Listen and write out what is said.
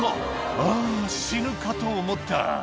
あー、死ぬかと思った。